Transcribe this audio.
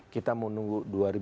kita tunggu dua ribu dua puluh satu